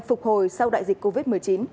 phục hồi sau đại dịch covid một mươi chín